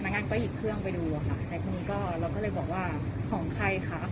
พนักงานก็เอาอีกเครื่องไปดูอะค่ะแต่ทีนี้เราก็เลยบอกว่าของใครคะ